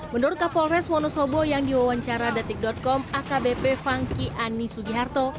menurut kapolres wonosobo yang diwawancara detik com akbp fangki ani sugiharto